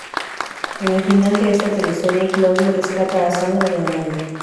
En el final de esta teleserie "Claudio" rescata a "Sandra" de "Amalia".